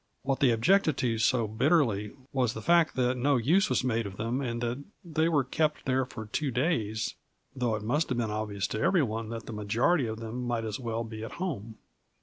What they objected to so bitterly was the fact that no use was made of them, and that they were kept there for two days, though it must have been obvious to everyone that the majority of them might as well he at home.